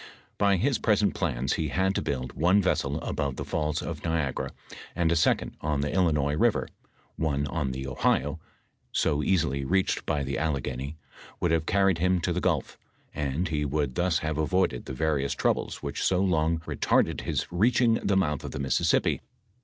By his present plans he had to buiid one vessel above the falls of Niagara, and a second on the Illinois river ; one on the Ohio, so easily reached by the Alleghany wonld have carried him to the gnlf, and he wonld thus have avoided the varions troubles which so long retarded his reaching the mouth of the Mississippi.